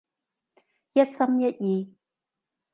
一心一意？